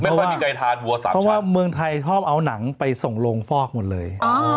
เพราะว่าเมืองไทยชอบเอานังไปส่งลงฟอกหมดเลย